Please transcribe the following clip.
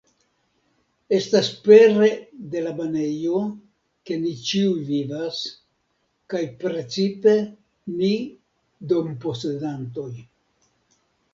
Estas pere de la banejo, ke ni ĉiuj vivas, kaj precipe ni domposedantoj.